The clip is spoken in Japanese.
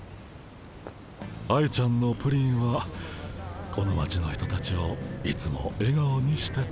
愛ちゃんのプリンはこの町の人たちをいつもえがおにしてた。